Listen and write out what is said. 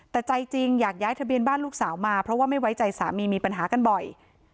แต่ใจจริงอยากย้ายทะเบียนบ้านลูกสาวมาเพราะว่าไม่ไว้ใจสามีมีปัญหากันบ่อย